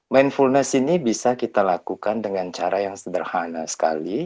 mindfulness ini bisa kita lakukan dengan cara yang sederhana sekali